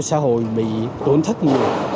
xã hội bị tổn thất nhiều